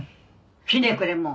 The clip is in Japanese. ひねくれもん！